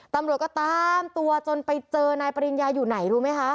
ตำรวจก็ตามตัวจนไปเจอนายปริญญาอยู่ไหนรู้ไหมคะ